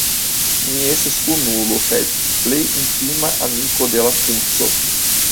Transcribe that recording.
Mi estas kunulo kaj plej intima amiko de la princo.